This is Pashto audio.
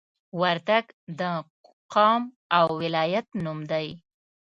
وردګ د قوم او ولایت نوم دی